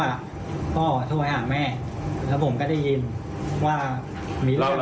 ไม่เคยครับแต่ผมได้ยินว่ามีเรื่อง